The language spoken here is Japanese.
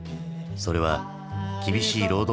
それは厳しい労働環境